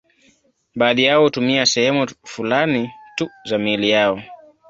Baadhi yao hutumia sehemu fulani tu za miili yao.